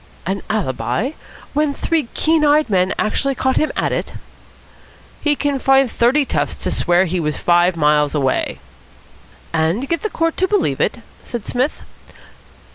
"An alibi? When three keen eyed men actually caught him at it?" "He can find thirty toughs to swear he was five miles away." "And get the court to believe it?" said Psmith.